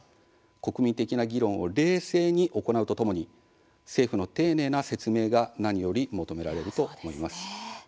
国民的な議論を冷静に行うとともに政府の丁寧な説明が何より求められると思います。